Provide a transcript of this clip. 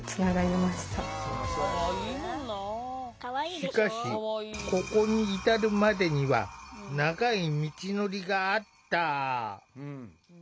しかし、ここに至るまでには長い道のりがあった。